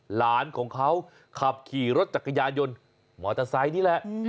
หลานของเขาขับขี่รถจักรยานยนต์มอเตอร์ไซค์นี่แหละ